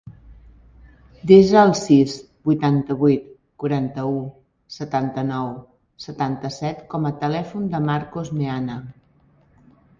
Desa el sis, vuitanta-vuit, quaranta-u, setanta-nou, setanta-set com a telèfon del Marcos Meana.